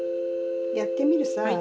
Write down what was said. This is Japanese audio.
やってみるさ。